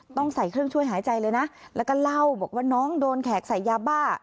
ต้องใส่เครื่องช่วยหายใจเลยนะแล้วก็เล่าบอกว่าน้องโดนแขกใส่ยาบ้า